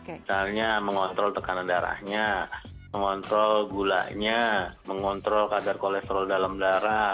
misalnya mengontrol tekanan darahnya mengontrol gulanya mengontrol kadar kolesterol dalam darah